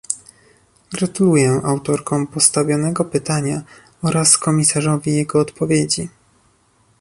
Gratuluję autorkom postawionego pytania oraz komisarzowi jego odpowiedzi